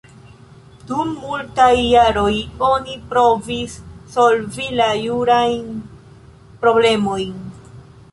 Dum multaj jaroj oni provis solvi la jurajn problemojn.